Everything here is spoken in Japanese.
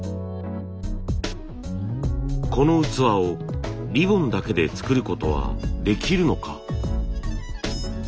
この器をリボンだけで作ることはできるのか。